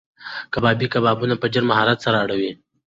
کبابي کبابونه په ډېر مهارت سره اړوي.